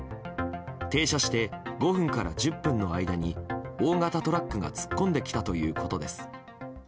停車して５分から１０分の間に大型トラックが突っ込んできたということです。